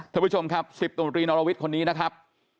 ท่านผู้ชมครับ๑๐ตำรวจรีนรวิทย์คนนี้นะครับ